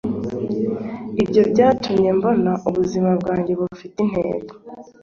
ibyo byatumye mbona ubuzima bwanjye bufite intego